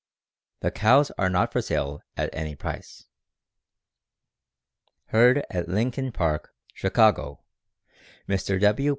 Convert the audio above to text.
The cows are not for sale at any price." _Herd at Lincoln Park, Chicago, Mr. W.